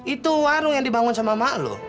itu warung yang dibangun sama emak lu